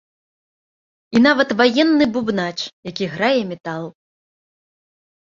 І нават ваенны бубнач, які грае метал!